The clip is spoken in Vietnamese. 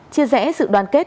chia sẻ sự đoàn kết